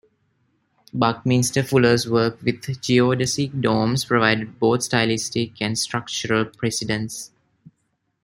Buckminster Fuller's work with geodesic domes provided both stylistic and structural precedents.